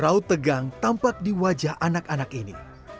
raut tegang tampak di wajah anak anak ini